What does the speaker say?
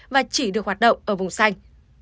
và chỉ được hoạt động ở vùng xanh